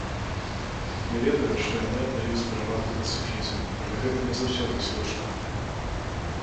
Я ведаю, што яны аддаюць перавагу пацыфізму, але гэта не заўсёды слушна.